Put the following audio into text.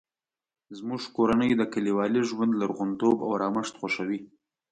زموږ کورنۍ د کلیوالي ژوند لرغونتوب او ارامښت خوښوي